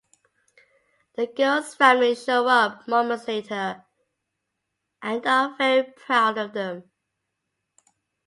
The girls' families show up moments later and are very proud of them.